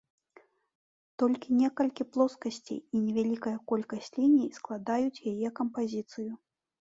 Толькі некалькі плоскасцей і невялікая колькасць ліній складаюць яе кампазіцыю.